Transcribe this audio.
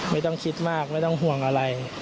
ไม่ต้องคิดมากไม่ต้องห่วงอะไร